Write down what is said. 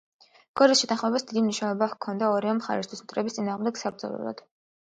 გორის შეთანხმებას დიდი მნიშვნელობა ჰქონდა ორივე მხარისათვის მტრების წინააღმდეგ საბრძოლველად.